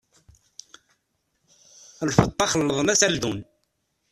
Lfeṭṭa xelḍen-as aldun!